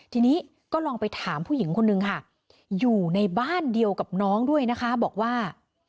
ทีนี้ก็ลองไปถามผู้หญิงคนนึงค่ะอยู่ในบ้านเดียวกับน้องด้วยนะคะบอกว่า